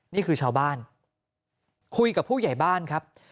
นี่คือชาวบ้านคุยกับผู้ใหญ่บ้านครับ